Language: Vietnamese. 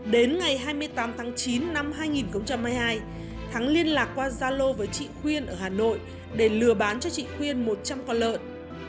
đến ngày hai mươi tám tháng chín năm hai nghìn hai mươi hai thắng liên lạc qua gia lô với chị khuyên ở hà nội để lừa bán cho chị khuyên một trăm linh con lợn